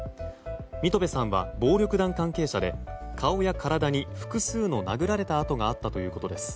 三戸部さんは暴力団関係者で顔や体に複数の殴られた痕があったということです。